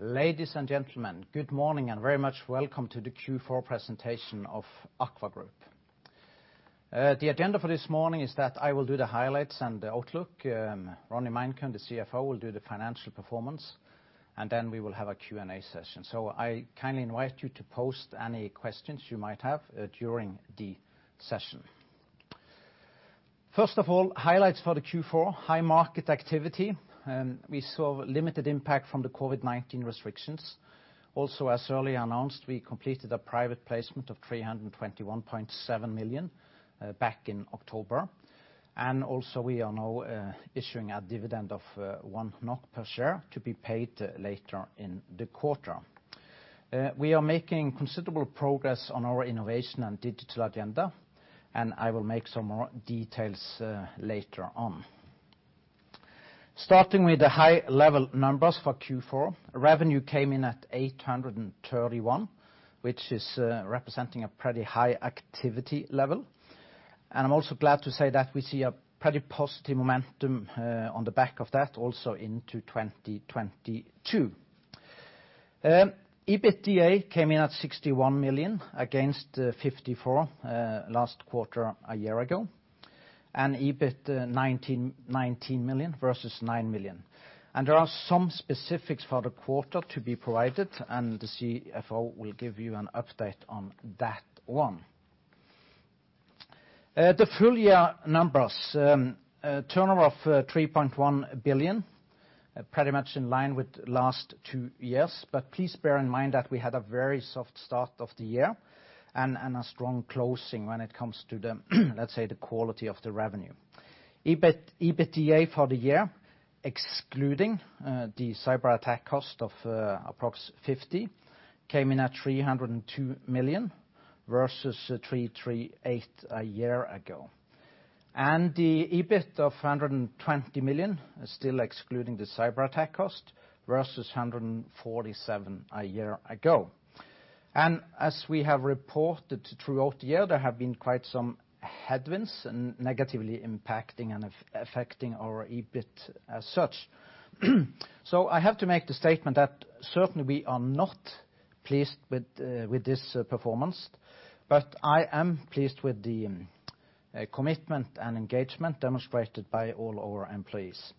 Ladies and gentlemen, good morning and very much welcome to the Q4 presentation of AKVA group. The agenda for this morning is that I will do the highlights and the outlook. Ronny Meinkøhn, the CFO, will do the financial performance, and then we will have a Q&A session. I kindly invite you to post any questions you might have during the session. First of all, highlights for the Q4, high market activity, and we saw limited impact from the COVID-19 restrictions. Also, as earlier announced, we completed a private placement of 321.7 million back in October. We are now issuing a dividend of 1 NOK per share to be paid later in the quarter. We are making considerable progress on our innovation and digital agenda, and I will make some more details later on. Starting with the high level numbers for Q4, revenue came in at 831, which is representing a pretty high activity level. I'm also glad to say that we see a pretty positive momentum on the back of that also into 2022. EBITDA came in at 61 million against 54 million last quarter a year ago, and EBIT 19 million versus 9 million. There are some specifics for the quarter to be provided, and the CFO will give you an update on that one. The full year numbers, turnover of 3.1 billion, pretty much in line with last two years. Please bear in mind that we had a very soft start of the year and a strong closing when it comes to the quality of the revenue. EBITDA for the year, excluding the cyber attack cost of approx. 50 million, came in at 302 million versus 338 million a year ago. The EBIT of 120 million, still excluding the cyber attack cost, versus 147 million a year ago. As we have reported throughout the year, there have been quite some headwinds and negatively impacting and affecting our EBIT as such. I have to make the statement that certainly we are not pleased with this performance, but I am pleased with the commitment and engagement demonstrated by all our employees.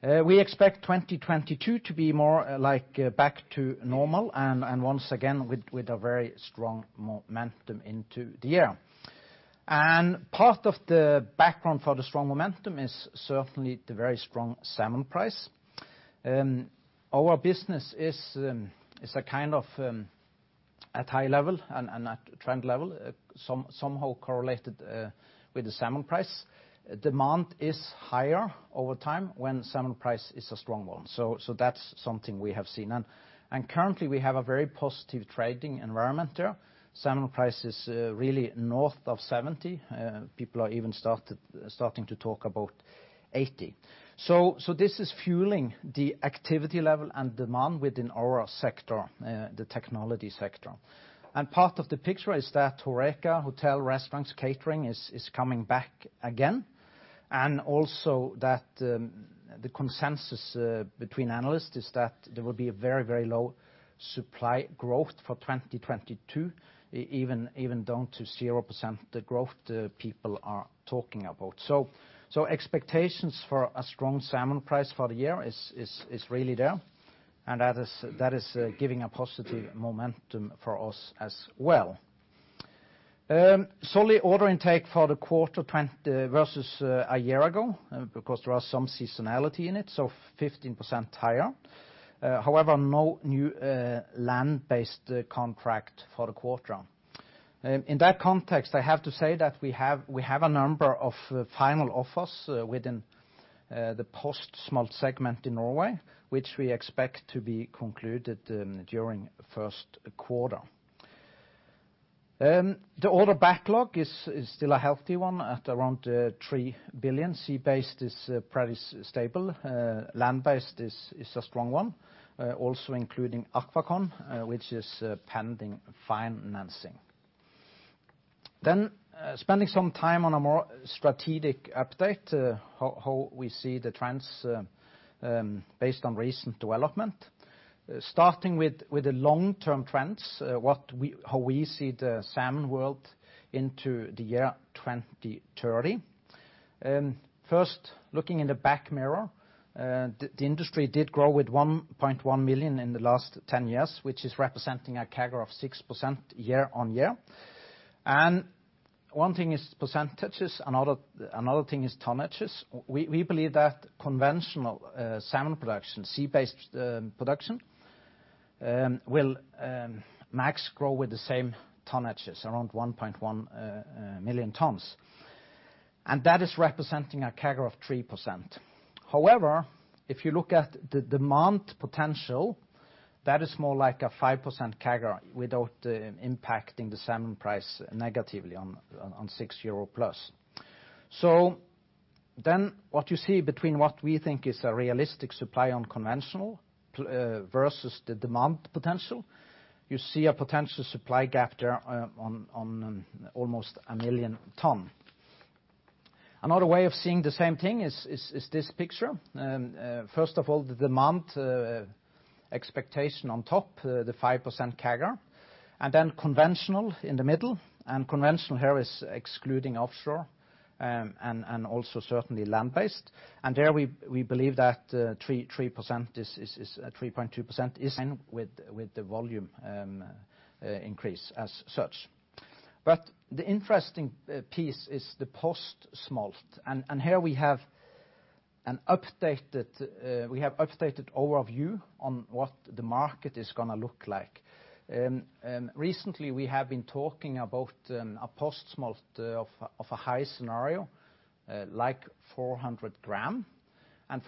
We expect 2022 to be more like back to normal and once again with a very strong momentum into the year. Part of the background for the strong momentum is certainly the very strong salmon price. Our business is a kind of at high level and at trend level somehow correlated with the salmon price. Demand is higher over time when salmon price is a strong one. That's something we have seen. Currently we have a very positive trading environment there. Salmon price is really north of 70. People are even starting to talk about 80. This is fueling the activity level and demand within our sector, the technology sector. Part of the picture is that HORECA, hotel, restaurants, catering is coming back again. Also that the consensus between analysts is that there will be a very low supply growth for 2022, even down to 0% the growth the people are talking about. Expectations for a strong salmon price for the year is really there, and that is giving a positive momentum for us as well. Solid order intake for the quarter 20 versus a year ago, because there are some seasonality in it, 15% higher. However, no new land-based contract for the quarter. In that context, I have to say that we have a number of final offers within the post-smolt segment in Norway, which we expect to be concluded during first quarter. The order backlog is still a healthy one at around 3 billion. Sea-based is pretty stable. Land-based is a strong one, also including AquaCon, which is pending financing. Spending some time on a more strategic update, how we see the trends, based on recent development. Starting with the long-term trends, how we see the salmon world into the year 2030. First, looking in the back mirror, the industry did grow with 1.1 million in the last 10 years, which is representing a CAGR of 6% year-over-year. One thing is percentages, another thing is tonnages. We believe that conventional salmon production, sea-based production, will max grow with the same tonnages, around 1.1 million tons. That is representing a CAGR of 3%. However, if you look at the demand potential, that is more like a 5% CAGR without impacting the salmon price negatively on 6+ euro. What you see between what we think is a realistic supply on conventional versus the demand potential, you see a potential supply gap there on almost 1 million tons. Another way of seeing the same thing is this picture. First of all, the demand expectation on top, the 5% CAGR, and then conventional in the middle, and conventional here is excluding offshore and also certainly land-based. There we believe that 3.2% is in with the volume increase as such. The interesting piece is the post-smolt. Here we have an updated, we have updated overview on what the market is gonna look like. Recently, we have been talking about a post-smolt of a high scenario, like 400 gram.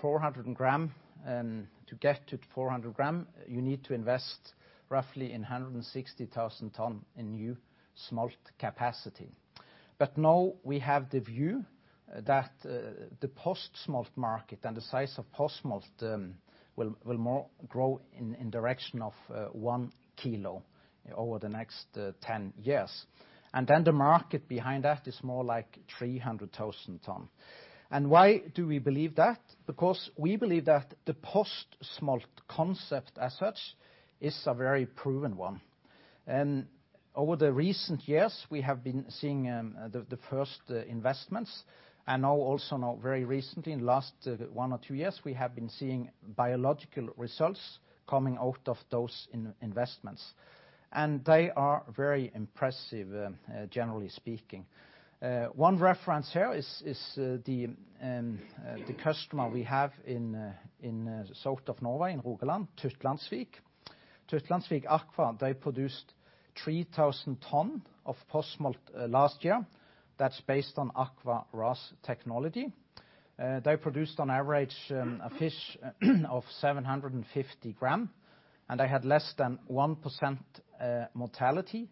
400 gram, to get to 400 gram, you need to invest roughly in 160,000 ton in new smolt capacity. Now we have the view that the post-smolt market and the size of post-smolt will more grow in direction of one kg over the next 10 years. Then the market behind that is more like 300,000 ton. Why do we believe that? Because we believe that the post-smolt concept as such is a very proven one. Over the recent years, we have been seeing the first investments, and now also now very recently, in last one or two years, we have been seeing biological results coming out of those investments. They are very impressive, generally speaking. One reference here is the customer we have in south of Norway, in Rogaland, Tytlandsvik. Tytlandsvik Aqua, they produced 3,000 ton of post-smolt last year. That's based on AKVA RAS technology. They produced on average a fish of 750 gram, and they had less than 1% mortality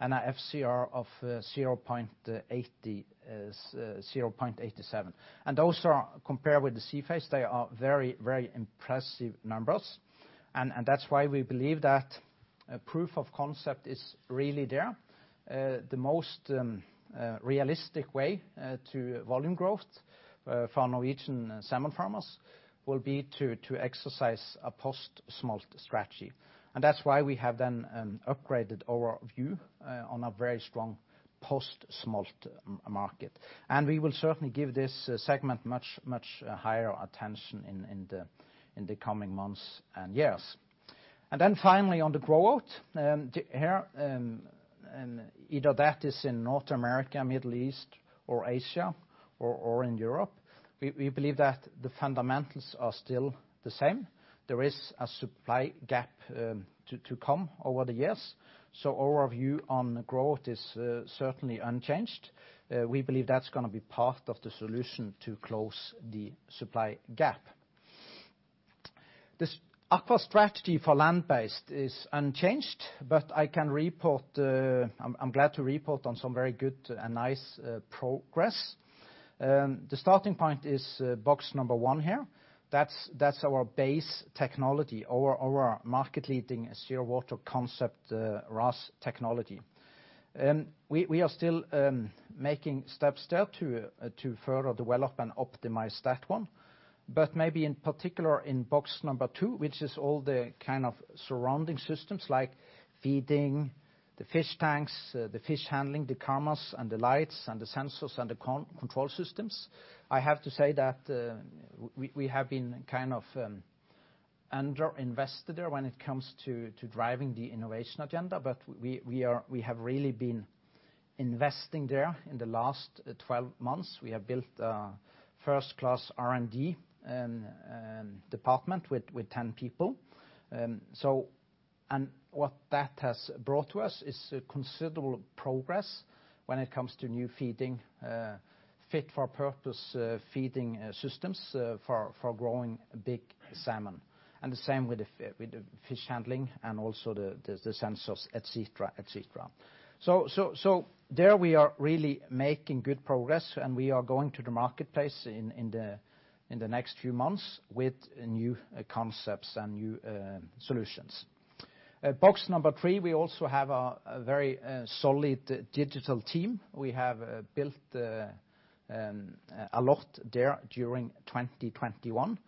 and a FCR of 0.87. Those are compared with the sea phase; they are very impressive numbers. That's why we believe that a proof of concept is really there. The most realistic way to volume growth for Norwegian salmon farmers will be to exercise a post-smolt strategy. That's why we have then upgraded our view on a very strong post-smolt market. We will certainly give this segment much higher attention in the coming months and years. Finally on the growth here either that is in North America, Middle East, or Asia or in Europe we believe that the fundamentals are still the same. There is a supply gap to come over the years. Our view on growth is certainly unchanged. We believe that's gonna be part of the solution to close the supply gap. The AKVA strategy for land-based is unchanged, but I can report. I'm glad to report on some very good and nice progress. The starting point is box number one here. That's our base technology, our market leading Zero Water Concept, RAS technology. We are still making steps there to further develop and optimize that one. Maybe in particular in box number two, which is all the kind of surrounding systems like feeding the fish tanks, the fish handling, the cameras and the lights and the sensors and the control systems, I have to say that we have been kind of under-invested there when it comes to driving the innovation agenda. We have really been investing there in the last 12 months. We have built a first-class R&D department with 10 people. What that has brought to us is a considerable progress when it comes to new feeding fit for purpose feeding systems for growing big salmon. The same with the fish handling and also the sensors, et cetera. There we are really making good progress, and we are going to the marketplace in the next few months with new concepts and new solutions. Box number three, we also have a very solid digital team. We have built a lot there during 2021.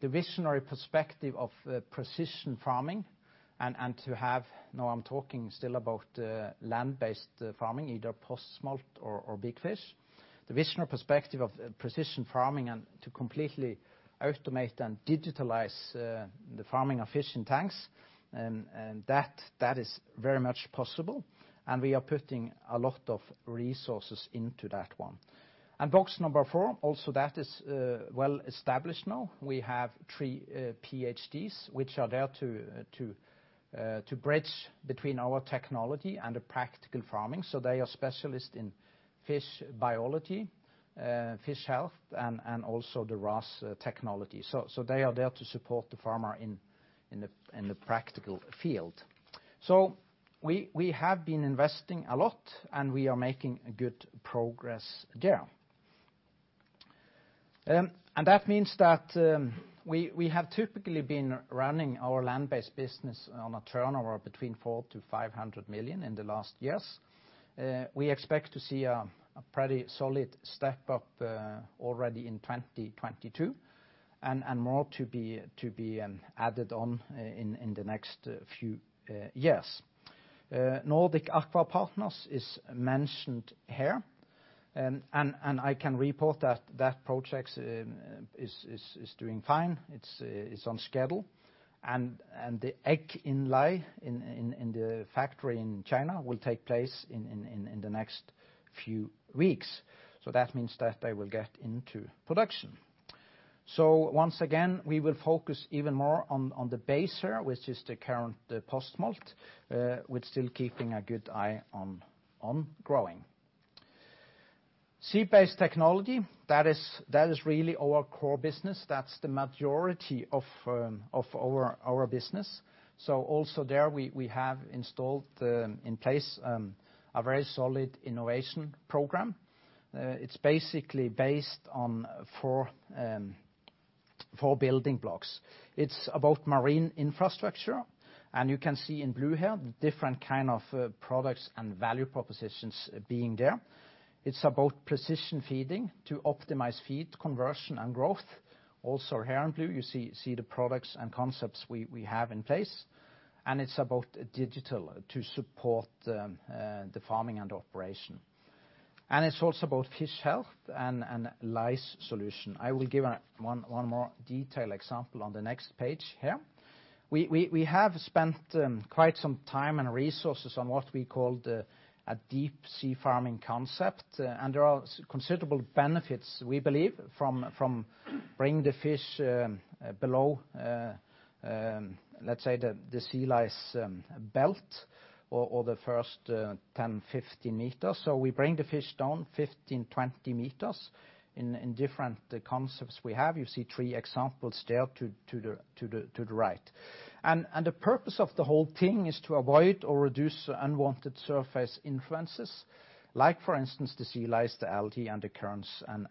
The visionary perspective of precision farming, now I'm talking still about land-based farming, either post-smolt or big fish. The visionary perspective of precision farming and to completely automate and digitalize the farming of fish in tanks, and that is very much possible, and we are putting a lot of resources into that one. Box number four, also that is well established now. We have three PhDs, which are there to bridge between our technology and the practical farming. They are specialists in fish biology, fish health, and also the RAS technology. They are there to support the farmer in the practical field. We have been investing a lot, and we are making good progress there. That means that we have typically been running our land-based business on a turnover between 400-500 million in the last years. We expect to see a pretty solid step up already in 2022 and more to be added on in the next few years. Nordic Aqua Partners is mentioned here, and I can report that that project is doing fine. It's on schedule. The egg inlay in the factory in China will take place in the next few weeks. That means that they will get into production. Once again, we will focus even more on the RAS, which is the current post-smolt, with still keeping a good eye on growing. Sea-based technology, that is really our core business. That's the majority of our business. Also there we have installed in place a very solid innovation program. It's basically based on four building blocks. It's about marine infrastructure, and you can see in blue here the different kind of products and value propositions being there. It's about precision feeding to optimize feed conversion and growth. Also here in blue you see the products and concepts we have in place, and it's about digital to support the farming and operation. It's also about fish health and lice solution. I will give one more detailed example on the next page here. We have spent quite some time and resources on what we call a deep-sea farming concept, and there are considerable benefits, we believe, from bringing the fish below, let's say the sea lice belt or the first 10-15 meters. We bring the fish down 15-20 meters in different concepts we have. You see three examples there to the right. The purpose of the whole thing is to avoid or reduce unwanted surface influences like, for instance, the sea lice, the algae and the currents and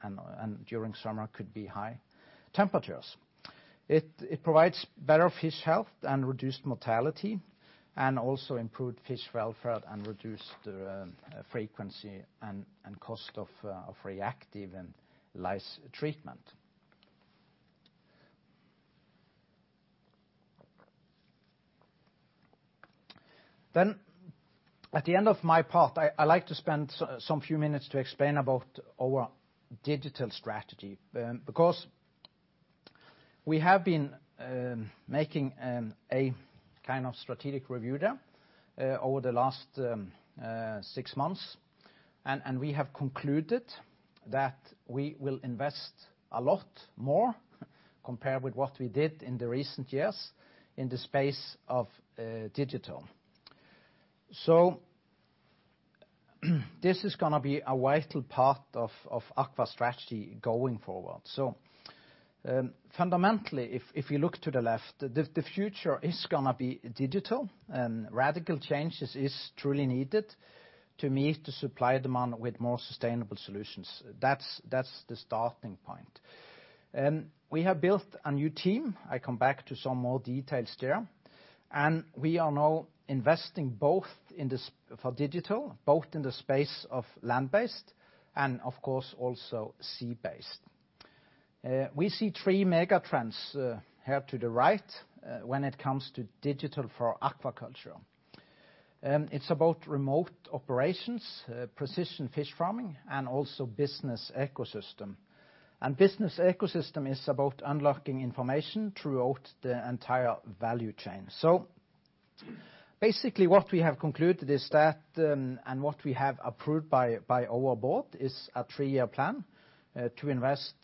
during summer could be high temperatures. It provides better fish health and reduced mortality and also improved fish welfare and reduced frequency and cost of reactive and lice treatment. At the end of my part, I like to spend some few minutes to explain about our digital strategy, because we have been making a kind of strategic review there over the last six months, and we have concluded that we will invest a lot more compared with what we did in the recent years in the space of digital. This is gonna be a vital part of AKVA strategy going forward. Fundamentally, if you look to the left, the future is gonna be digital and radical changes is truly needed to meet the supply demand with more sustainable solutions. That's the starting point. We have built a new team, I come back to some more details there, and we are now investing both in the space of land-based and, of course, also sea-based. We see three mega trends, here to the right, when it comes to digital for aquaculture. It's about remote operations, precision fish farming, and also business ecosystem. Business ecosystem is about unlocking information throughout the entire value chain. Basically what we have concluded is that, and what we have approved by our board is a three-year plan to invest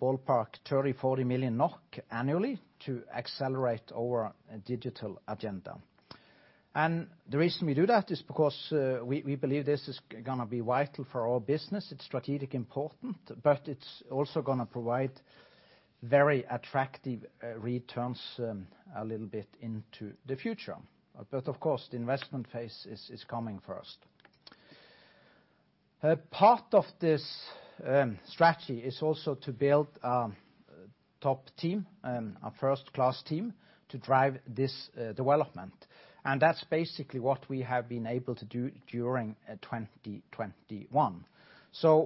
ballpark 30 million-40 million NOK annually to accelerate our digital agenda. The reason we do that is because we believe this is gonna be vital for our business. It's strategically important, but it's also gonna provide very attractive returns a little bit into the future. Of course, the investment phase is coming first. A part of this strategy is also to build a top team, a first-class team to drive this development. That's basically what we have been able to do during 2021.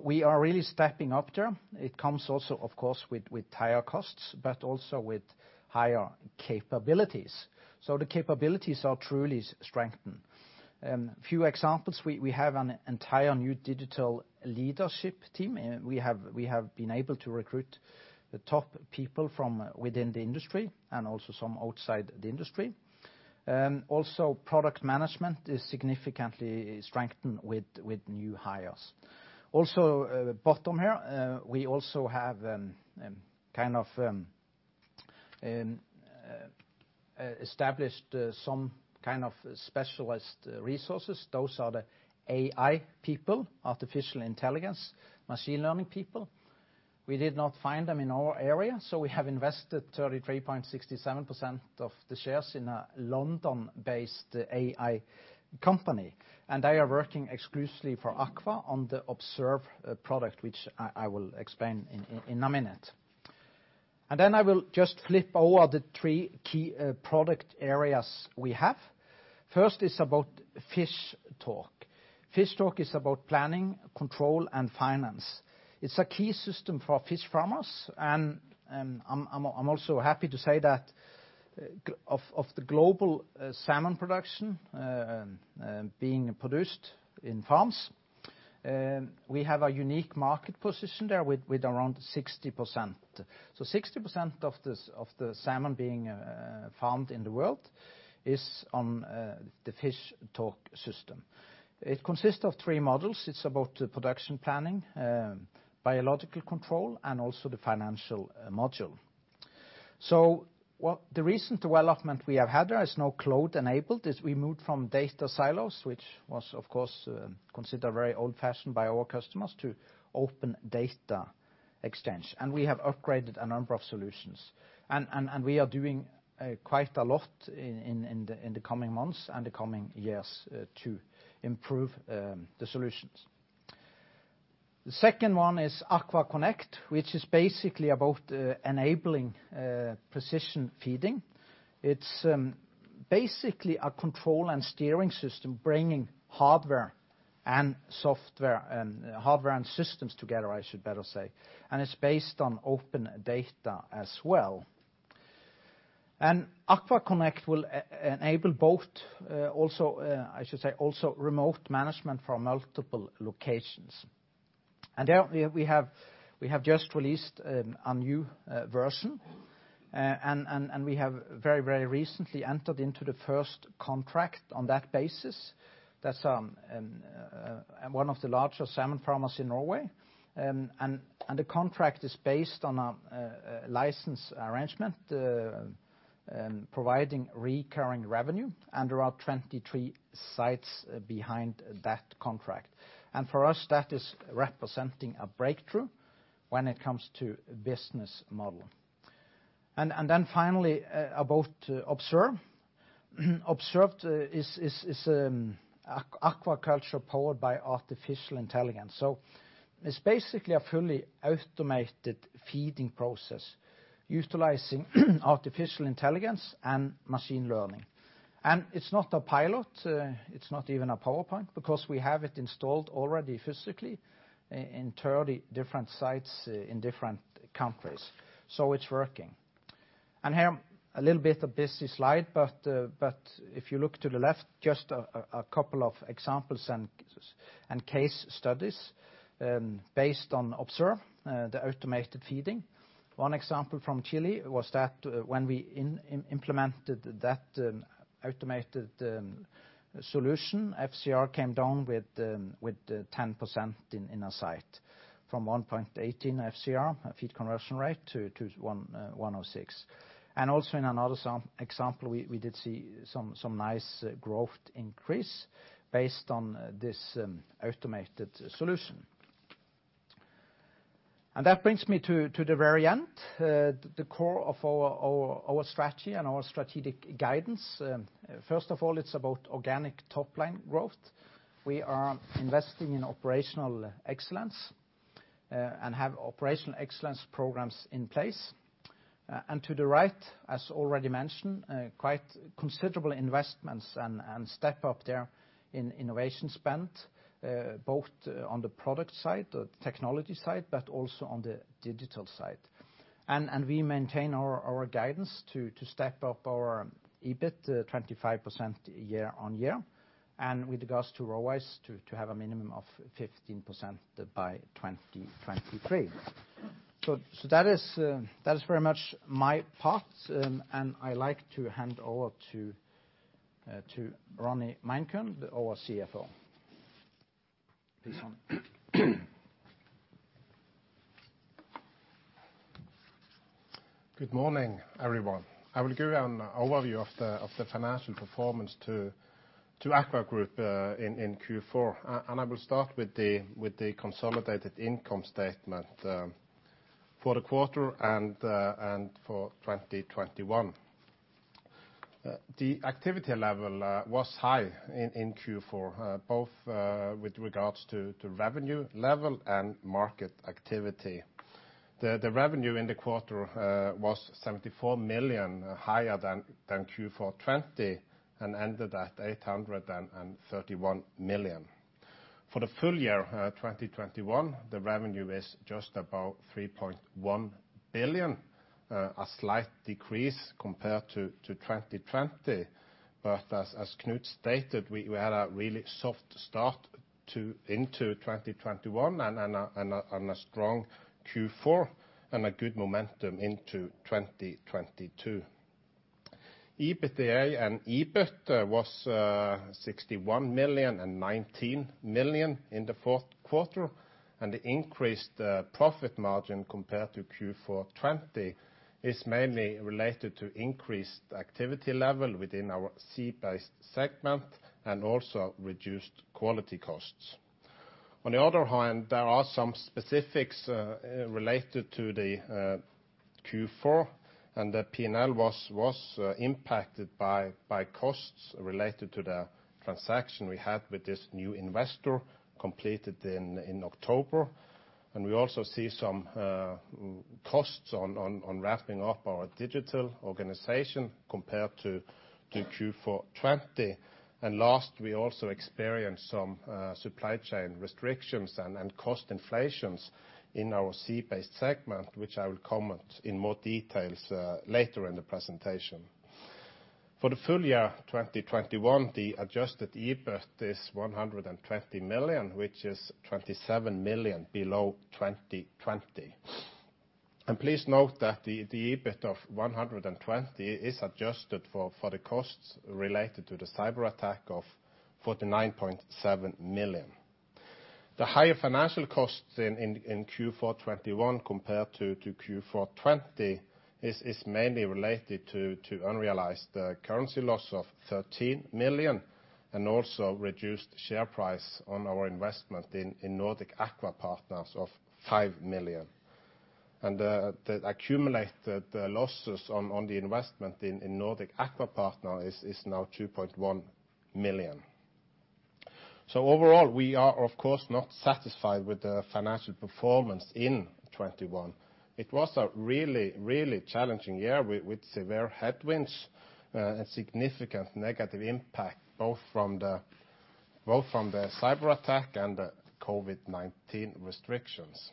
We are really stepping up there. It comes also, of course, with higher costs, but also with higher capabilities. The capabilities are truly strengthened. Few examples. We have an entire new digital leadership team. We have been able to recruit the top people from within the industry and also some outside the industry. Also product management is significantly strengthened with new hires. Bottom here, we also have kind of established some kind of specialist resources. Those are the AI people, artificial intelligence, machine learning people. We did not find them in our area, so we have invested 33.67% of the shares in a London-based AI company, and they are working exclusively for AKVA on the AKVA Observe product, which I will explain in a minute. I will just flip over the three key product areas we have. First is about Fishtalk. Fishtalk is about planning, control, and finance. It's a key system for our fish farmers, and I'm also happy to say that of the global salmon production being produced in farms, we have a unique market position there with around 60%. 60% of the salmon being farmed in the world is on the Fishtalk system. It consists of three modules. It's about the production planning, biological control, and also the financial module. The recent development we have had there is now cloud-enabled, is we moved from data silos, which was, of course, considered very old-fashioned by our customers, to open data exchange. We have upgraded a number of solutions. We are doing quite a lot in the coming months and the coming years to improve the solutions. The second one is AKVA Connect, which is basically about enabling precision feeding. It's basically a control and steering system bringing hardware and software, and hardware and systems together, I should better say, and it's based on open data as well. AKVA Connect will enable both, also, I should say, also remote management from multiple locations. There, we have just released a new version. We have very recently entered into the first contract on that basis. That's one of the larger salmon farmers in Norway. The contract is based on a license arrangement providing recurring revenue, and there are 23 sites behind that contract. For us, that is representing a breakthrough when it comes to business model. Then finally, about Observe. Observe is aquaculture powered by artificial intelligence. It's basically a fully automated feeding process utilizing artificial intelligence and machine learning. It's not a pilot. It's not even a PowerPoint, because we have it installed already physically in 30 different sites in different countries, so it's working. Here, a little bit of busy slide, but if you look to the left, just a couple of examples and case studies based on Observe, the automated feeding. One example from Chile was that when we implemented that automated solution, FCR came down with 10% in a site, from 1.18 FCR, feed conversion rate, to 1.06. In another example, we did see some nice growth increase based on this automated solution. That brings me to the very end, the core of our strategy and our strategic guidance. First of all, it's about organic top-line growth. We are investing in operational excellence and have operational excellence programs in place. To the right, as already mentioned, quite considerable investments and step up there in innovation spend, both on the product side, the technology side, but also on the digital side. We maintain our guidance to step up our EBIT 25% year-on-year, and with regards to ROACE, to have a minimum of 15% by 2023. That is very much my part, and I'd like to hand over to Ronny Meinkøhn, our CFO. Please, Ronny. Good morning everyone. I will give an overview of the financial performance to AKVA Group in Q4, and I will start with the consolidated income statement for the quarter and for 2021. The activity level was high in Q4, both with regards to revenue level and market activity. The revenue in the quarter was 74 million higher than Q4 2020 and ended at 831 million. For the full year 2021, the revenue is just about 3.1 billion, a slight decrease compared to 2020. As Knut stated, we had a really soft start into 2021 and a strong Q4, and a good momentum into 2022. EBITDA and EBIT was 61 million and 19 million in the fourth quarter, and the increased profit margin compared to Q4 2020 is mainly related to increased activity level within our sea-based segment and also reduced quality costs. On the other hand, there are some specifics related to the Q4 and the P&L was impacted by costs related to the transaction we had with this new investor completed in October. We also see some costs on wrapping up our digital organization compared to Q4 2020. Last, we also experienced some supply chain restrictions and cost inflations in our sea-based segment, which I will comment in more details later in the presentation. For the full year 2021, the adjusted EBIT is 120 million, which is 27 million below 2020. Please note that the EBIT of 120 million is adjusted for the costs related to the cyber attack of 49.7 million. The higher financial costs in Q4 2021 compared to Q4 2020 is mainly related to unrealized currency loss of 13 million and also reduced share price on our investment in Nordic Aqua Partners of 5 million. The accumulated losses on the investment in Nordic Aqua Partners is now 2.1 million. Overall, we are of course not satisfied with the financial performance in 2021. It was a really challenging year with severe headwinds and significant negative impact, both from the cyber attack and the COVID-19 restrictions.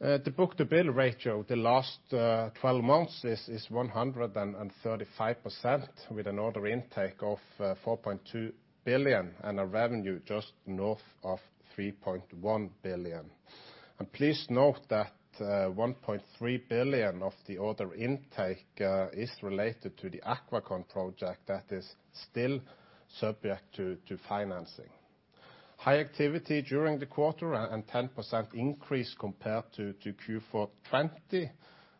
The book-to-bill ratio the last 12 months is 135% with an order intake of 4.2 billion and a revenue just north of 3.1 billion. Please note that 1.3 billion of the order intake is related to the AquaCon project that is still subject to financing. High activity during the quarter and 10% increase compared to Q4 2020,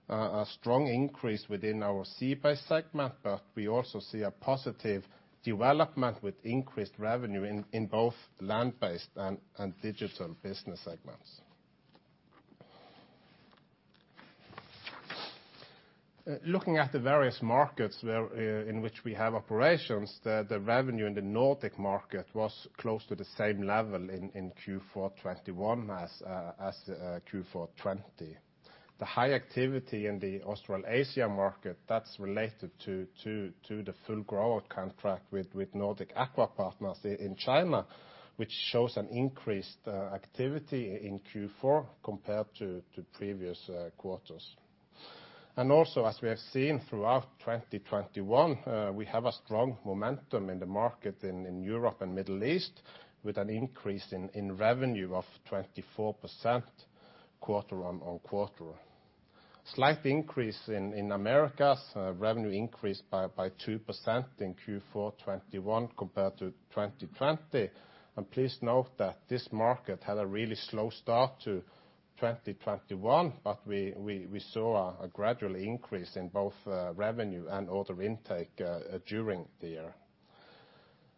a strong increase within our sea-based segment, but we also see a positive development with increased revenue in both land-based and digital business segments. Looking at the various markets where in which we have operations, the revenue in the Nordic market was close to the same level in Q4 2021 as Q4 2020. The high activity in the Australasia market, that's related to the full grower contract with Nordic Aqua Partners in China, which shows an increased activity in Q4 compared to previous quarters. Also, as we have seen throughout 2021, we have a strong momentum in the market in Europe and Middle East with an increase in revenue of 24% quarter on quarter. Slight increase in Americas. Revenue increased by 2% in Q4 2021 compared to 2020. Please note that this market had a really slow start to 2021, but we saw a gradual increase in both revenue and order intake during the year.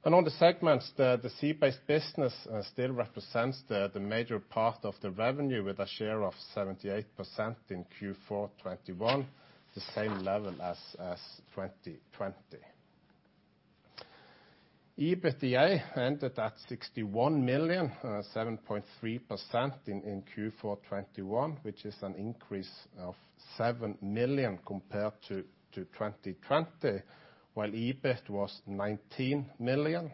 On the segments, the sea-based business still represents the major part of the revenue with a share of 78% in Q4 2021, the same level as 2020. EBITDA ended at 61 million, 7.3% in Q4 2021, which is an increase of 7 million compared to 2020, while EBIT was 19 million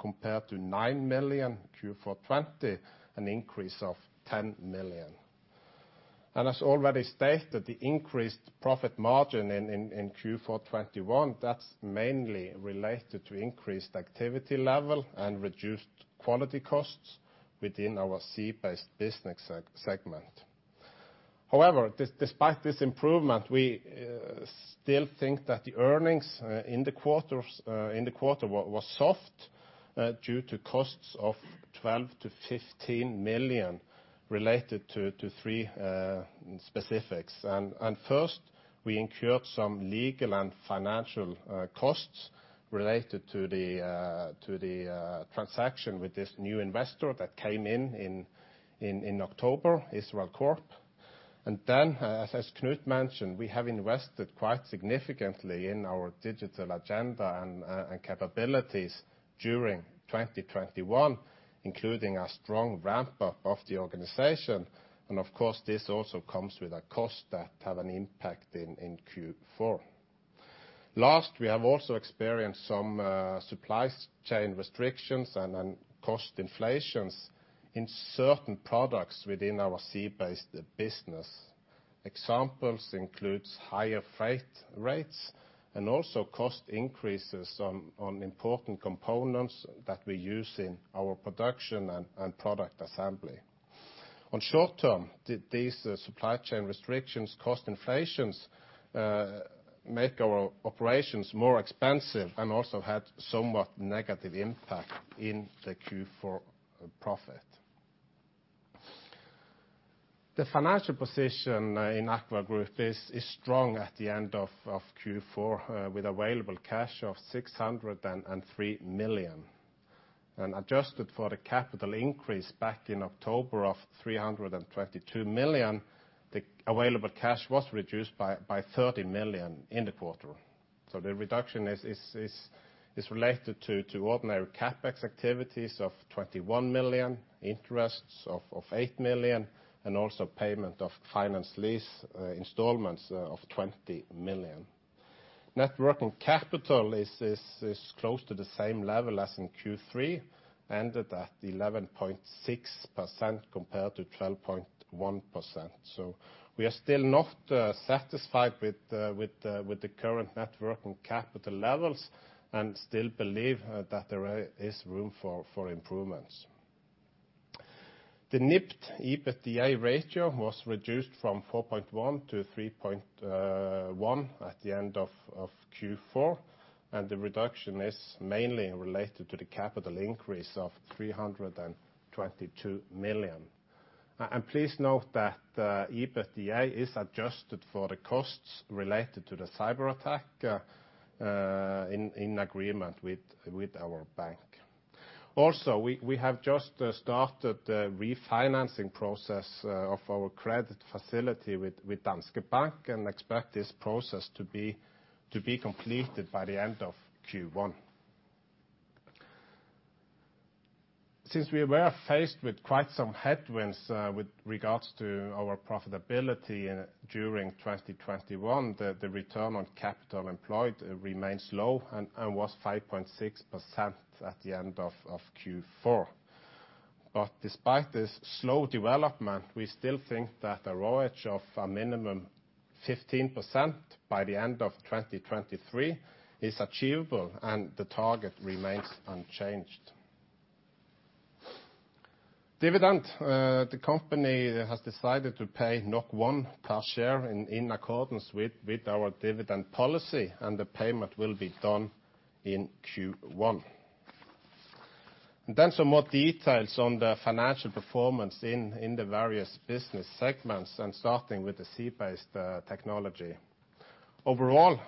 compared to 9 million Q4 2020, an increase of 10 million. As already stated, the increased profit margin in Q4 2021, that's mainly related to increased activity level and reduced quality costs within our sea-based business segment. However, despite this improvement, we still think that the earnings in the quarter was soft due to costs of 12 million-15 million related to three specifics. We incurred some legal and financial costs related to the transaction with this new investor that came in in October, Israel Corp. As Knut mentioned, we have invested quite significantly in our digital agenda and capabilities during 2021, including a strong ramp-up of the organization, and of course, this also comes with a cost that have an impact in Q4. Last, we have also experienced some supply chain restrictions and cost inflations in certain products within our sea-based business. Examples include higher freight rates and also cost increases on important components that we use in our production and product assembly. In the short term, these supply chain restrictions, cost inflations make our operations more expensive and also had somewhat negative impact in the Q4 profit. The financial position in AKVA Group is strong at the end of Q4 with available cash of 603 million. Adjusted for the capital increase back in October of 322 million, the available cash was reduced by 30 million in the quarter. The reduction is related to ordinary CapEx activities of 21 million, interests of 8 million, and also payment of finance lease installments of 20 million. Net working capital is close to the same level as in Q3, ended at 11.6% compared to 12.1%. We are still not satisfied with the current net working capital levels and still believe that there is room for improvements. The NIBD EBITDA ratio was reduced from 4.1-3.1 at the end of Q4, and the reduction is mainly related to the capital increase of 322 million. Please note that EBITDA is adjusted for the costs related to the cyberattack in agreement with our bank. We have just started the refinancing process of our credit facility with Danske Bank, and expect this process to be completed by the end of Q1. Since we were faced with quite some headwinds with regards to our profitability during 2021, the return on capital employed remains low and was 5.6% at the end of Q4. Despite this slow development, we still think that the ROACE of a minimum 15% by the end of 2023 is achievable, and the target remains unchanged. Dividend, the company has decided to pay 1 per share in accordance with our dividend policy, and the payment will be done in Q1. Then some more details on the financial performance in the various business segments, and starting with the cage-based technology. Overall,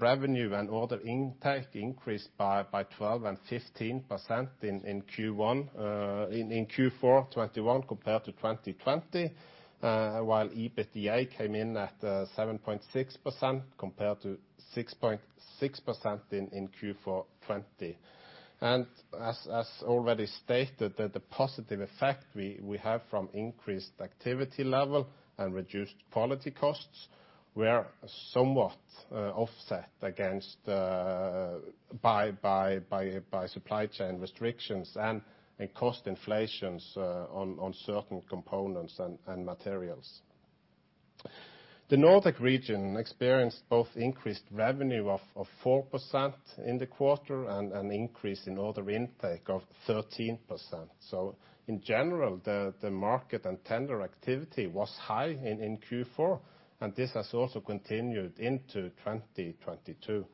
revenue and order intake increased by 12% and 15% in Q4 2021 compared to 2020, while EBITDA came in at 7.6% compared to 6.6% in Q4 2020. As already stated, the positive effect we have from increased activity level and reduced quality costs were somewhat offset against by supply chain restrictions and in cost inflations on certain components and materials. The Nordic region experienced both increased revenue of 4% in the quarter and an increase in order intake of 13%. In general, the market and tender activity was high in Q4, and this has also continued into 2022.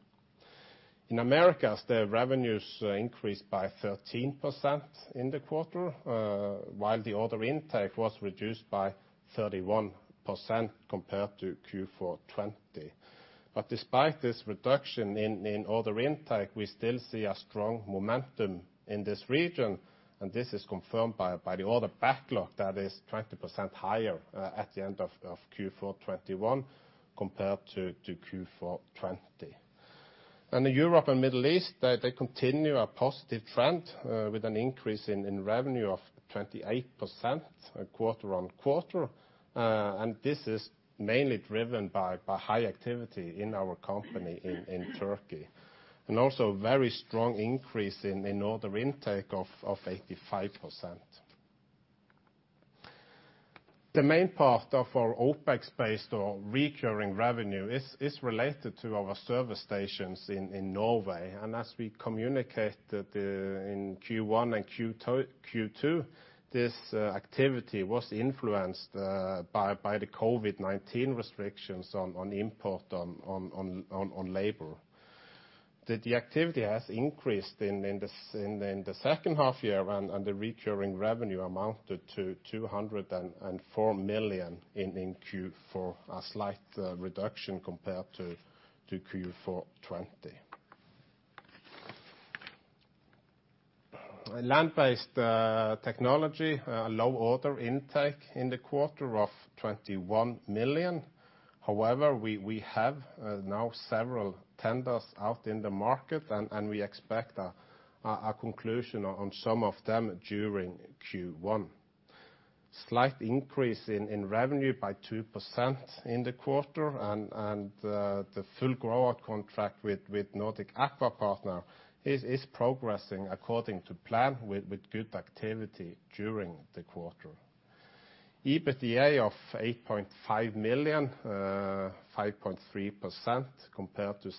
In Americas, the revenues increased by 13% in the quarter, while the order intake was reduced by 31% compared to Q4 2020. Despite this reduction in order intake, we still see a strong momentum in this region, and this is confirmed by the order backlog that is 20% higher at the end of Q4 2021 compared to Q4 2020. In the Europe and Middle East, they continue a positive trend with an increase in revenue of 28% quarter-on-quarter, and this is mainly driven by high activity in our company in Turkey, and also very strong increase in order intake of 85%. The main part of our OPEX-based or recurring revenue is related to our service stations in Norway. As we communicated in Q1 and Q2, this activity was influenced by the COVID-19 restrictions on importation of labor. The activity has increased in the H2 year and the recurring revenue amounted to 204 million in Q4 2020, a slight reduction compared to Q4 2020. In land-based technology, low order intake in the quarter of 21 million. However, we have now several tenders out in the market and we expect a conclusion on some of them during Q1. Slight increase in revenue by 2% in the quarter and the full grow-out contract with Nordic Aqua Partners is progressing according to plan with good activity during the quarter. EBITDA of 8.5 million, 5.3% compared to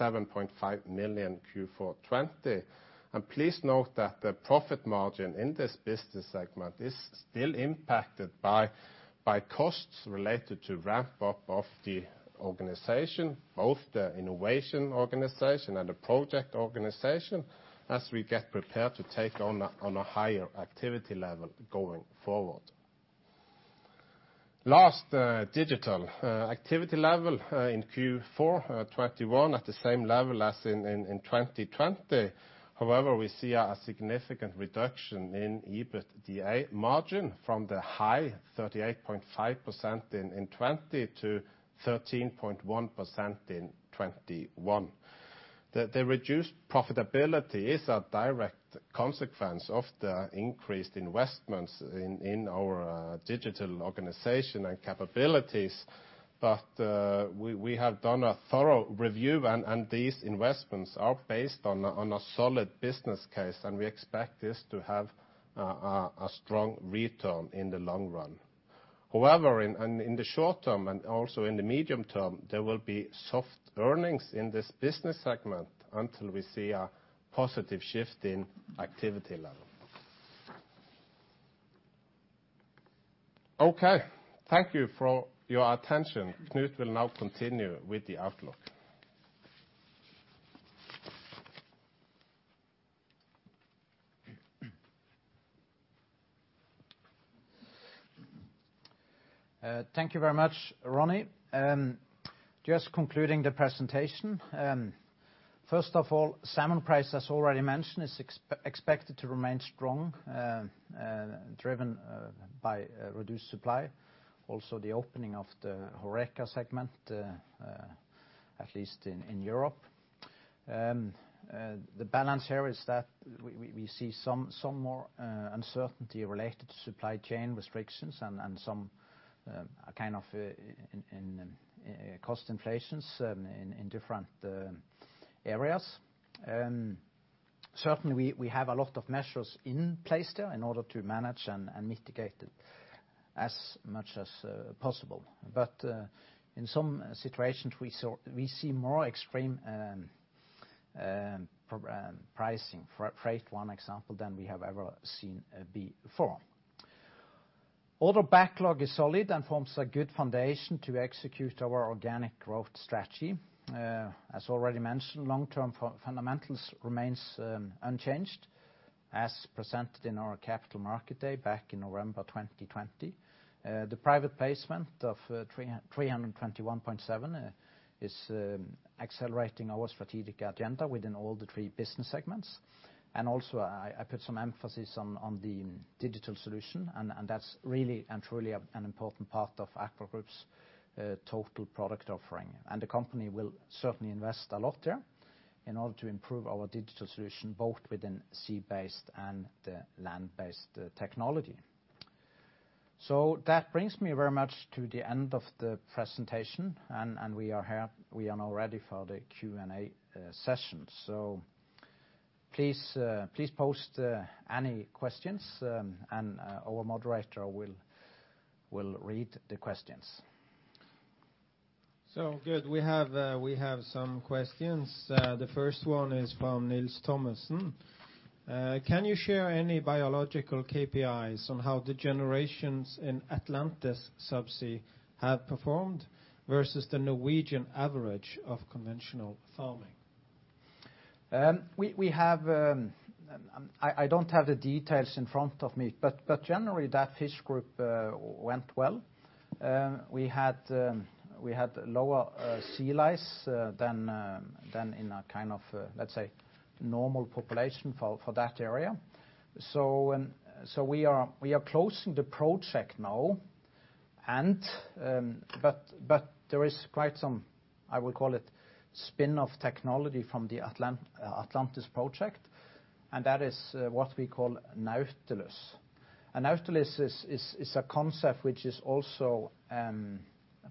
7.5 million Q4 2020. Please note that the profit margin in this business segment is still impacted by costs related to ramp up of the organization, both the innovation organization and the project organization, as we get prepared to take on a higher activity level going forward. Last, digital. Activity level in Q4 2021 at the same level as in 2020. However, we see a significant reduction in EBITDA margin from the high 38.5% in 2020 to 13.1% in 2021. The reduced profitability is a direct consequence of the increased investments in our digital organization and capabilities. We have done a thorough review and these investments are based on a solid business case, and we expect this to have a strong return in the long run. However, in the short term, and also in the medium term, there will be soft earnings in this business segment until we see a positive shift in activity level. Okay. Thank you for your attention. Knut will now continue with the outlook. Thank you very much, Ronny. Just concluding the presentation. First of all, salmon price, as already mentioned, is expected to remain strong, driven by reduced supply, also the opening of the HORECA segment, at least in Europe. The balance here is that we see some more uncertainty related to supply chain restrictions and some kind of cost inflations in different areas. Certainly we have a lot of measures in place there in order to manage and mitigate it as much as possible. In some situations we see more extreme pricing, freight one example, than we have ever seen before. Order backlog is solid and forms a good foundation to execute our organic growth strategy. As already mentioned, long-term fundamentals remains unchanged as presented in our capital market day back in November 2020. The private placement of 321.7 million is accelerating our strategic agenda within all the three business segments. I put some emphasis on the digital solution, and that's really and truly an important part of AKVA Group's total product offering. The company will certainly invest a lot there in order to improve our digital solution, both within sea-based and the land-based technology. That brings me very much to the end of the presentation, and we are now ready for the Q&A session. Please post and our moderator will read the questions. Good. We have some questions. The first one is from Nils Thomassen. Can you share any biological KPIs on how the generations in Atlantis Subsea have performed versus the Norwegian average of conventional farming? I don't have the details in front of me, but generally that fish group went well. We had lower sea lice than in a kind of, let's say normal population for that area. We are closing the project now, but there is quite some, I would call it spin-off technology from the Atlantis project, and that is what we call Nautilus. Nautilus is a concept which is also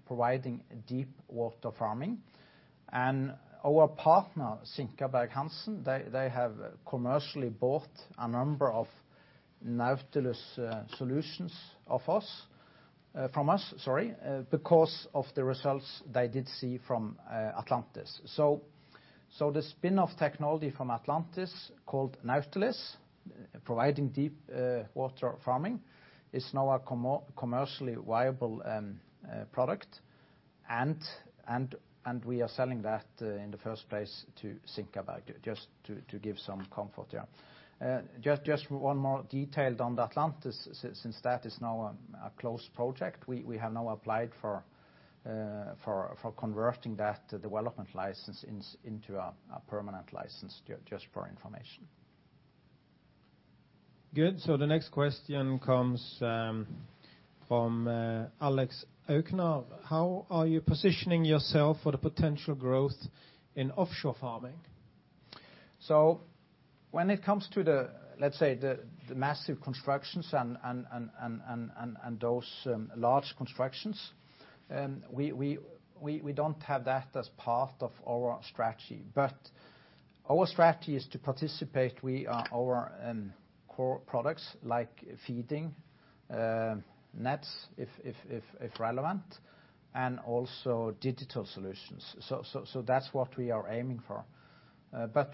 providing deep-sea farming. Our partner, Sinkaberg-Hansen, they have commercially bought a number of Nautilus solutions from us, sorry, because of the results they did see from Atlantis. The spin-off technology from Atlantis called Nautilus, providing deep-sea farming, is now a commercially viable product. We are selling that in the first place to Synnevåg, just to give some comfort, yeah. Just one more detail on the Atlantis, since that is now a closed project. We have now applied for converting that development license into a permanent license, just for information. Good. The next question comes from Alex Økner. How are you positioning yourself for the potential growth in offshore farming? When it comes to let's say the massive constructions and those large constructions, we don't have that as part of our strategy. Our strategy is to participate. Our core products like feeding, nets if relevant, and also digital solutions. That's what we are aiming for.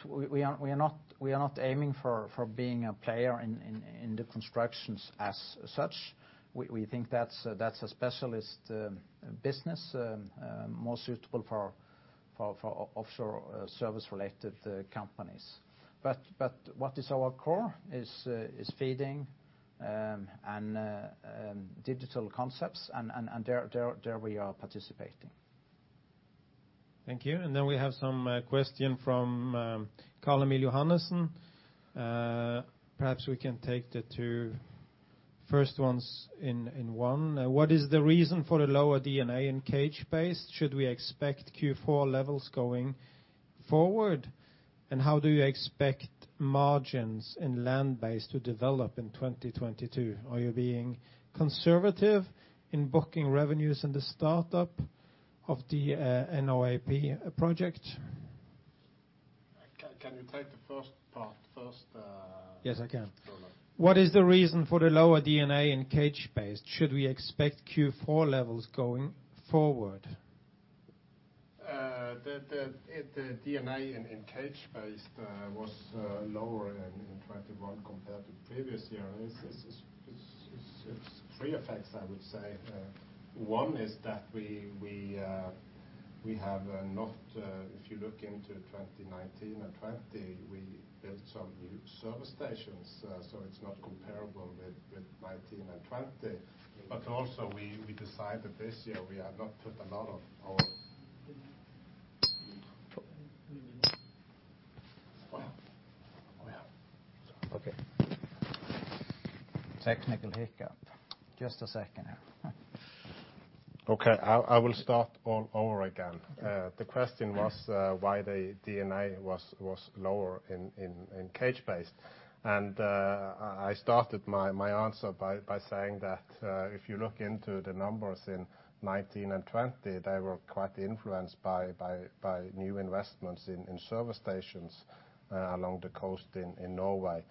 We are not aiming for being a player in the constructions as such. We think that's a specialist business more suitable for offshore service-related companies. What is our core is feeding and digital concepts and there we are participating. Thank you. We have some question from Carl-Emil Kjølås Johannessen. Perhaps we can take the two first ones in one. What is the reason for the lower D&A in Cage-Based? Should we expect Q4 levels going forward? How do you expect margins in land-based to develop in 2022? Are you being conservative in booking revenues in the startup of the NOAP project? Can you take the first part first? Yes, I can. Go on. What is the reason for the lower D&A in Cage-Based? Should we expect Q4 levels going forward? The D&A in Cage-Based was lower in 2021 compared to previous years. It's three effects, I would say. One is that we have not, if you look into 2019 and 2020, we built some new service stations, so it's not comparable with 2019 and 2020. Also we decided this year we have not put a lot of our. Technical hiccup. Just a second here. Okay. I will start all over again. The question was why the D&A was lower in Cage-Based. I started my answer by saying that if you look into the numbers in 2019 and 2020, they were quite influenced by new investments in service stations along the coast in Norway.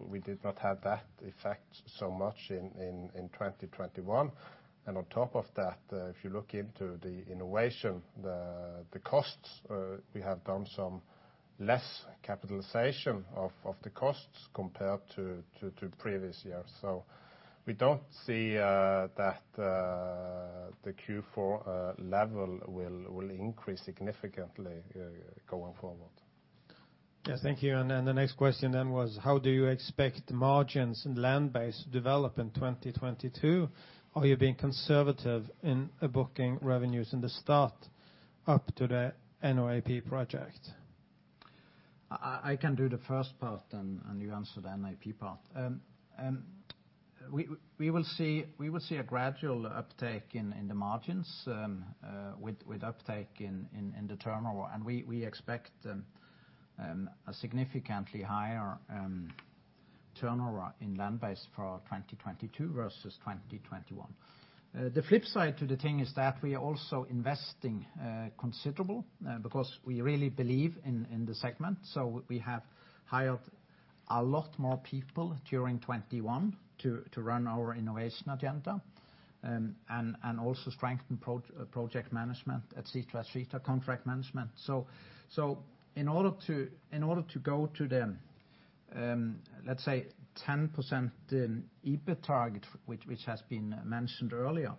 We did not have that effect so much in 2021. On top of that, if you look into the innovation, the costs, we have done some less capitalization of the costs compared to previous years. We don't see that the Q4 level will increase significantly going forward. Yes. Thank you. The next question was how do you expect margins in land-based to develop in 2022? Are you being conservative in booking revenues in the start-up to the NOAP project? I can do the first part and you answer the NOAP part. We will see a gradual uptake in the margins with uptake in the turnover. We expect a significantly higher turnover in land-based for 2022 versus 2021. The flip side to the thing is that we are also investing considerably because we really believe in the segment. We have hired a lot more people during 2021 to run our innovation agenda and also strengthen project management at site and contract management. In order to go to the, let's say 10% EBIT target, which has been mentioned earlier,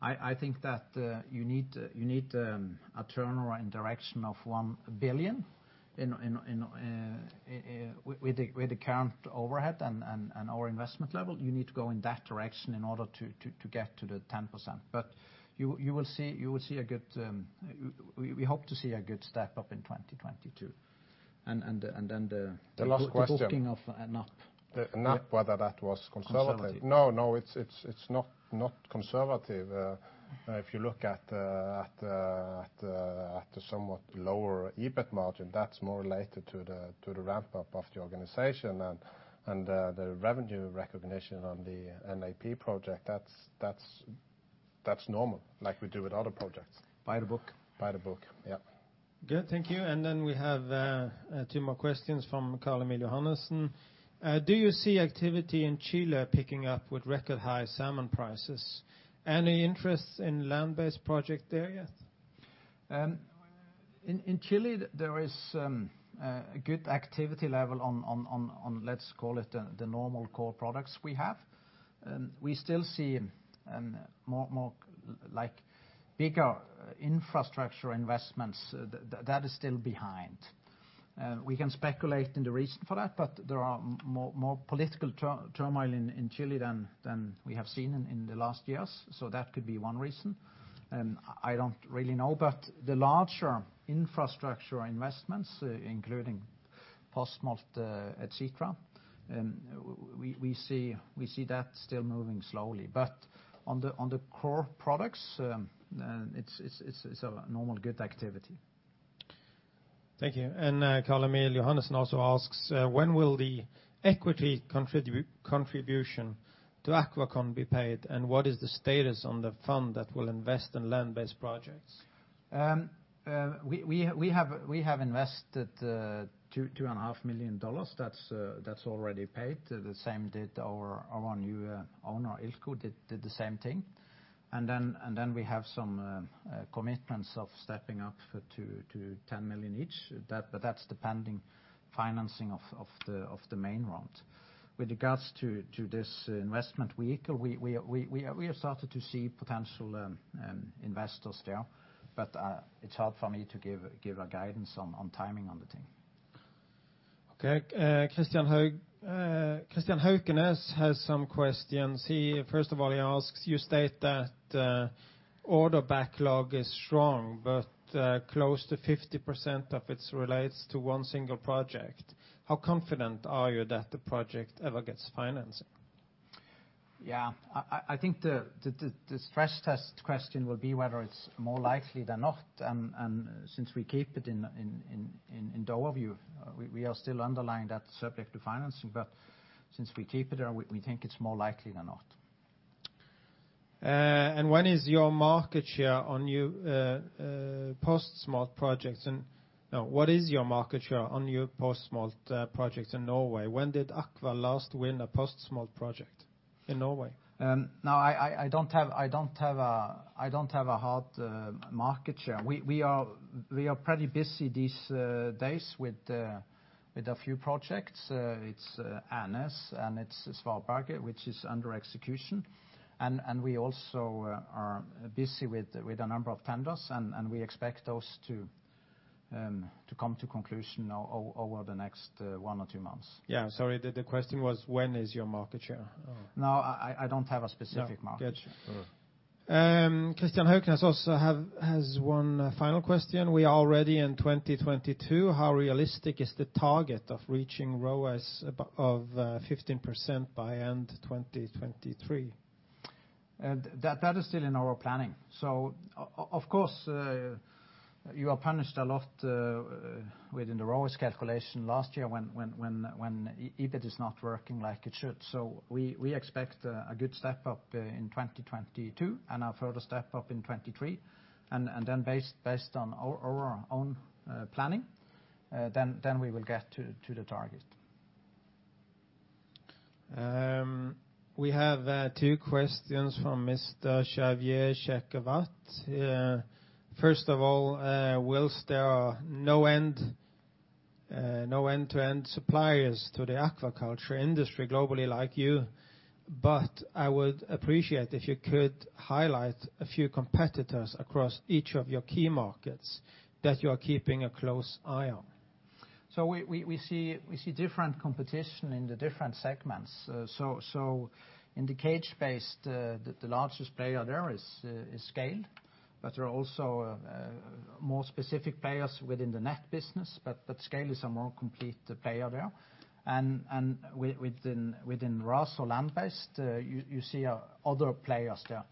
I think that you need a turnover in direction of 1 billion with the current overhead and our investment level. You need to go in that direction in order to get to the 10%. You will see a good step-up in 2022. We hope to see a good step-up in 2022. The last question. The booking of NOAP. The NOAP, whether that was conservative. Conservative. No, it's not conservative. If you look at the somewhat lower EBIT margin, that's more related to the ramp-up of the organization and the revenue recognition on the NOAP project, that's normal like we do with other projects. By the book. By the book, yep. Good. Thank you. We have two more questions from Carl-Emil Kjølås Johannessen. Do you see activity in Chile picking up with record high salmon prices? Any interest in land-based project there yet? In Chile there is a good activity level on, let's call it the normal core products we have. We still see more like bigger infrastructure investments. That is still behind. We can speculate on the reason for that, but there are more political turmoil in Chile than we have seen in the last years. That could be one reason. I don't really know. The larger infrastructure investments, including post-smolt, et cetera, we see that still moving slowly. On the core products, it's a normal good activity. Thank you. Carl-Emil Kjølås Johannessen also asks, when will the equity contribution to AquaCon be paid, and what is the status on the fund that will invest in land-based projects? We have invested $2.5 million. That's already paid. The same, our new owner ILCO did the same thing. Then we have some commitments of stepping up to $10 million each. That's depending on financing of the main round. With regards to this investment vehicle, we have started to see potential investors there, but it's hard for me to give guidance on timing on the thing. Okay. Christian Haugenes has some questions. He, first of all, asks, you state that order backlog is strong, but close to 50% of it relates to one single project. How confident are you that the project ever gets financing? Yeah. I think the stress test question will be whether it's more likely than not. Since we keep it in our view, we are still underlining that subject to financing. Since we keep it, we think it's more likely than not. What is your market share on new post-smolt projects in Norway? When did AKVA last win a post-smolt project in Norway? No, I don't have a hard market share. We are pretty busy these days with a few projects. It's Lerøy, and it's Svarberg, which is under execution. We also are busy with a number of tenders, and we expect those to come to conclusion now over the next one or two months. Yeah, sorry. The question was, when is your market share? Oh. No, I don't have a specific market share. Yeah. Got you. Christian Haugenes also has one final question. We are already in 2022. How realistic is the target of reaching ROACE of 15% by end 2023? That is still in our planning. Of course, you are punished a lot within the ROACE calculation last year when EBIT is not working like it should. We expect a good step up in 2022, and a further step up in 2023. Then based on our own planning, we will get to the target. We have two questions from Mr. Xavier Checaubart. First of all, while there are no end-to-end suppliers to the aquaculture industry globally like you, but I would appreciate if you could highlight a few competitors across each of your key markets that you are keeping a close eye on. We see different competition in the different segments. In the Cage-Based, the largest player there is ScaleAQ, but there are also more specific players within the net business, but ScaleAQ is a more complete player there. Within RAS or land-based, you see other players there.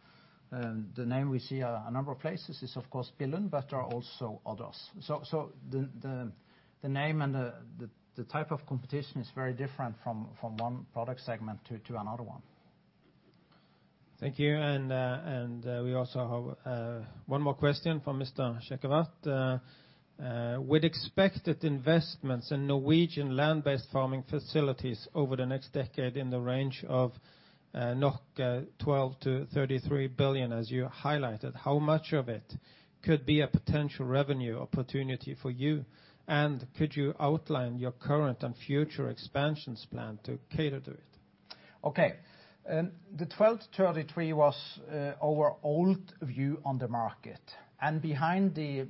The name we see a number of places is, of course, Billund, but there are also others. The name and the type of competition is very different from one product segment to another one. Thank you. We also have one more question from Mr. Checaubart. With expected investments in Norwegian land-based farming facilities over the next decade in the range of 12 billion-33 billion, as you highlighted, how much of it could be a potential revenue opportunity for you? Could you outline your current and future expansion plans to cater to it? Okay. The 12-33 was our old view on the market. Behind the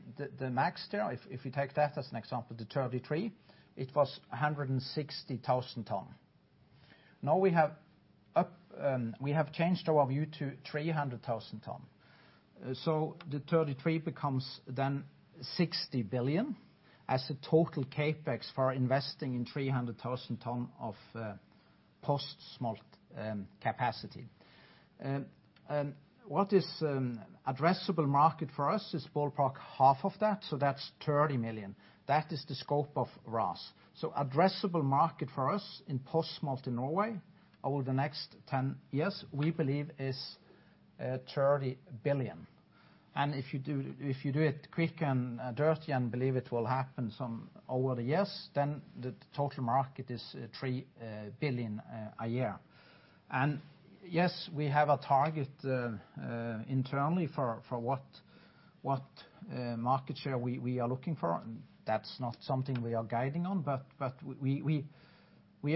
max there, if you take that as an example, the 33, it was 160,000 tons. Now we have changed our view to 300,000 tons. The 33 becomes then 60 billion as a total CapEx for investing in 300,000 tons of post-smolt capacity. What is the addressable market for us is ballpark half of that's 30 billion. That is the scope of RAS. The addressable market for us in post-smolt in Norway over the next 10 years, we believe is 30 billion. If you do it quick and dirty and believe it will happen some over the years, then the total market is 3 billion a year. Yes, we have a target internally for what market share we are looking for. That's not something we are guiding on, but we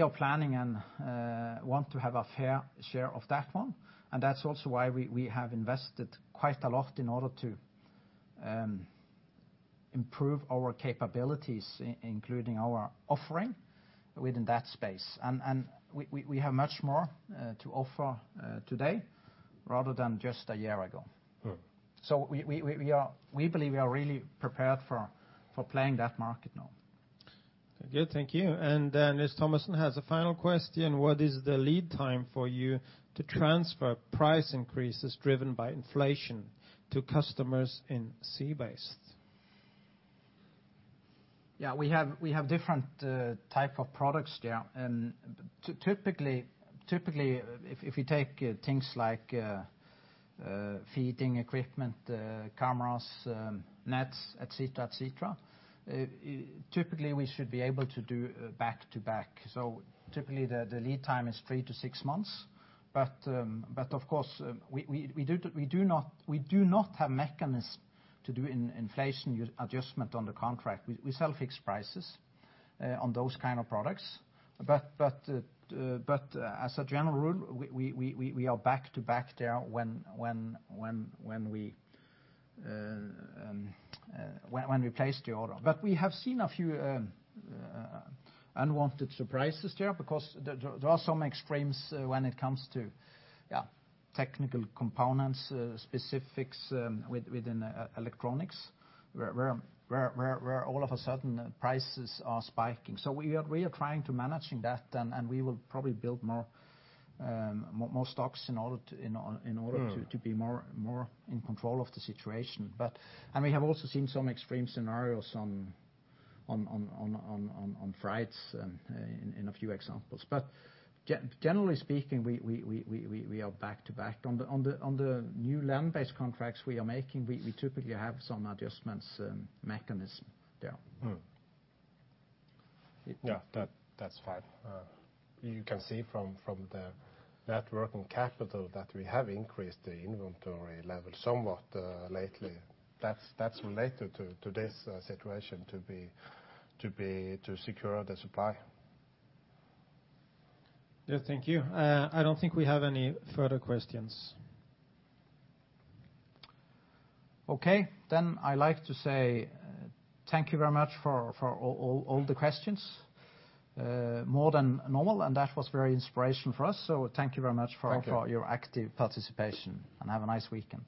are planning and want to have a fair share of that one, and that's also why we have invested quite a lot in order to improve our capabilities, including our offering within that space. We have much more to offer today rather than just a year ago. Mm. We believe we are really prepared for playing that market now. Good. Thank you. Nils Thomassen has a final question. What is the lead time for you to transfer price increases driven by inflation to customers in sea-based? Yeah. We have different type of products there. Typically, if you take things like feeding equipment, cameras, nets, et cetera, typically we should be able to do back to back. Typically, the lead time is three to six months. Of course, we do not have mechanism to do inflation adjustment on the contract. We sell fixed prices on those kind of products. As a general rule, we are back to back there when we place the order. We have seen a few unwanted surprises there because there are some extremes when it comes to technical components, specifics, within electronics where all of a sudden prices are spiking. We are trying to manage that, and we will probably build more stocks in order to in or. Mm In order to be more in control of the situation. We have also seen some extreme scenarios on freights in a few examples. Generally speaking, we are back to back. On the new land-based contracts we are making, we typically have some adjustment mechanism. Yeah. That’s fine. You can see from the net working capital that we have increased the inventory level somewhat lately. That’s related to this situation to secure the supply. Yeah. Thank you. I don’t think we have any further questions. Okay. I like to say thank you very much for all the questions. More than normal, and that was very inspirational for us. Thank you very much for. Thank you. Thank you for your active participation, and have a nice weekend.